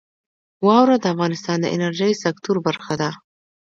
واوره د افغانستان د انرژۍ سکتور برخه ده.